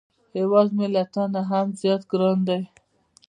هیواد مې له تا نه هم زیات ګران دی